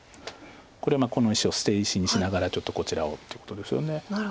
これはこの石を捨て石にしながらちょっとこちらをということですよね。